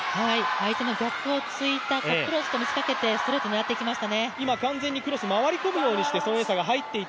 相手の逆をついた、クロスと見せかけてストレートを狙っていましたね。